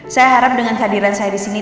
saya harap dengan hadiran saya disini